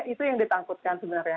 itu yang ditakutkan sebenarnya